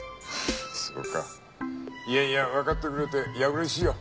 そうかいやいやわかってくれていや嬉しいよ。